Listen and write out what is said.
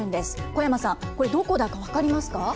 小山さん、これ、どこだか分かりますか。